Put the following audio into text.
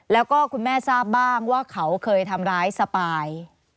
แล้วก็คุณแม่ทราบบ้างว่าเขาเคยทำร้ายสปาย